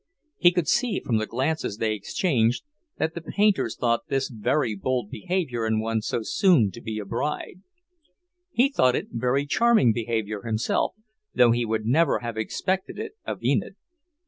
He could see, from the glances they exchanged, that the painters thought this very bold behaviour in one so soon to be a bride. He thought it very charming behaviour himself, though he would never have expected it of Enid.